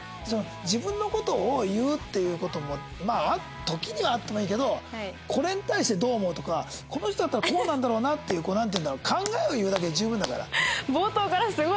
自分の事を言うっていう事もまあ時にはあってもいいけどこれに対してどう思うとかこの人だったらこうなんだろうなっていうなんていうんだろう考えを言うだけで十分だから。